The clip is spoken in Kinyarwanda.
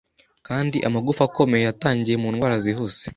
Kandi Amagufa akomeye yatangiye Mu ndwara zihuse